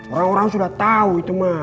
orang orang sudah tahu itu mah